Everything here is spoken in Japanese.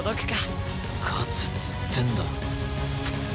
勝つっつってんだろ。